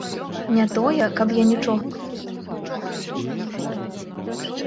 Не тое, каб я нічога не ведаў пра першае замужжа маці.